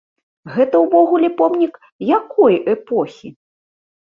Гэта ўвогуле помнік якой эпохі?